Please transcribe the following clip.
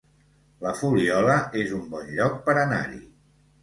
La Fuliola es un bon lloc per anar-hi